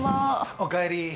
おかえり。